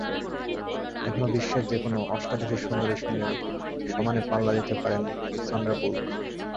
এখনো বিশ্বের যেকোনো অষ্টাদশী সুন্দরীর সঙ্গে সমানে পাল্লা দিতে পারেন সান্ড্রা বুলক।